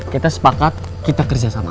kita sepakat kita kerja sama